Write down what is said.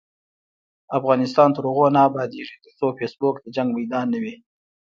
افغانستان تر هغو نه ابادیږي، ترڅو فیسبوک د جنګ میدان نه وي.